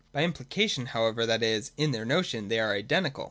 By implica tion, however, that is, in their notion, they are identical.